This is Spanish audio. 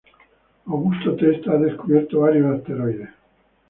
Augusto Testa ha descubierto varios asteroides.